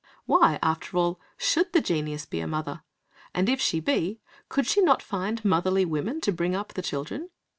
Why, after all, should the genius be a mother? And if she be, could she not find motherly women to bring up the children?